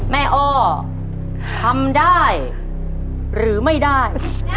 อ้อทำได้หรือไม่ได้